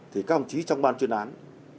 thì các ông chí trong ban chuyên án